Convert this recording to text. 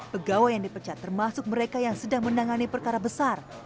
pegawai yang dipecat termasuk mereka yang sedang menangani perkara besar